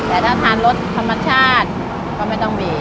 แต่ถ้าทานรสธรรมชาติก็ไม่ต้องมี